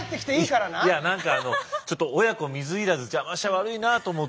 いや何かちょっと親子水入らず邪魔しちゃ悪いなと思って。